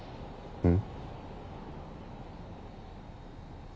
うん？